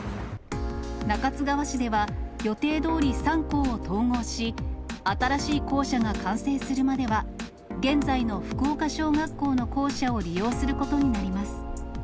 中津川市では、予定どおり３校を統合し、新しい校舎が完成するまでは、現在の福岡小学校の校舎を利用することになります。